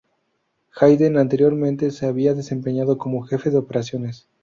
Hayden, anteriormente se había desempeñado como jefe de operaciones.